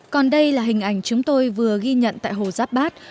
còn đây là hình ảnh chúng tôi vừa ghi nhận tại hồ giáp bát